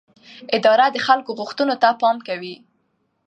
اداره د خلکو غوښتنو ته پام کوي.